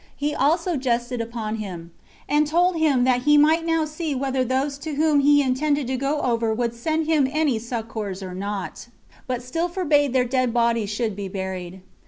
He also jested upon him, and told him that he might now see whether those to whom he intended to go over would send him any succors or not; but still he forbade their dead bodies should be buried.